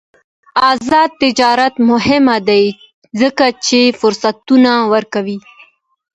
آزاد تجارت مهم دی ځکه چې فرصتونه ورکوي.